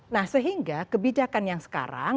nah sehingga kebijakan yang sekarang